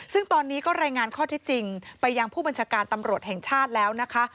ซึ่งตอนนี้ก็รายงานข้อที่จริงไปยังผู้บัญชาการตำรวจแห่งชาติแล้วนะคะ